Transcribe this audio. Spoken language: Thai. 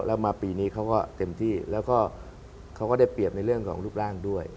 แล้วมาปีนี้เขาก็เต็มที่แล้วก็เขาก็ได้เปรียบในเรื่องของรูปร่างด้วย